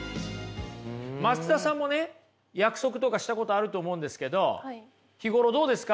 松田さんもね約束とかしたことあると思うんですけど日頃どうですか？